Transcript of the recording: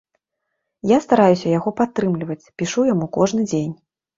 Я стараюся яго падтрымліваць, пішу яму кожны дзень.